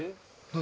何？